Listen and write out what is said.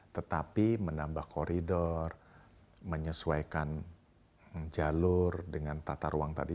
tetapi menambah koridor menyesuaikan jalur dengan tata ruang tadi